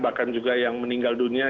bahkan juga yang meninggal dunia